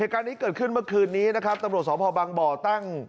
เหตุการณ์นี้เกิดขึ้นเมื่อคืนนี้นะครับตำรวจสพบังบ่อตั้ง